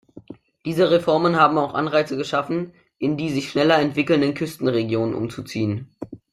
Diese Reformen haben auch Anreize geschaffen, in die sich schneller entwickelnden Küstenregionen umzuziehen.